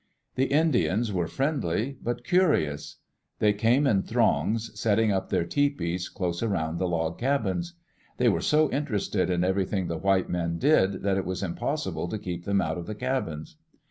The Indians were friendly, but curious. They came in throngs, setting up their tepees close around the log cabins. They were so interested in everything the white men did that it was impossible to keep them out of the cabins.